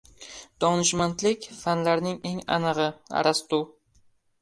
Donishmadlik – fanlarning eng anig‘i. Arastu